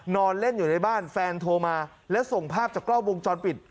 นอนเล่นอยู่ในบ้านแฟนโทรมาและส่งภาพจากกล้องวงจรปิด